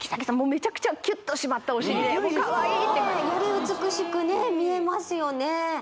めちゃくちゃキュッと締まったおしりでかわいいより美しくね見えますよね